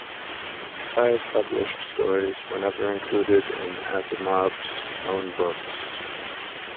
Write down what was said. Five published stories were never included in Asimov's own books.